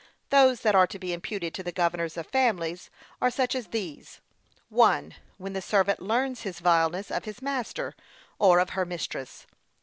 Those that are to be imputed to the governors of families, are such as these: (1.) When the servant learns his vileness of his master, or of her mistress.